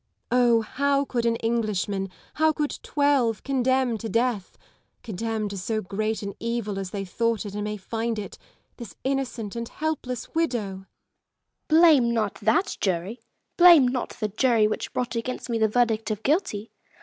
Oh ! how could an Englishman, how could twelve, condemn to death — condemn to so great an evil as they thought it and may find it — this innocent and helpless widow 1 Lady Lisle. Blame not that jury !— blame not the jury which brought against me the verdict of guilty.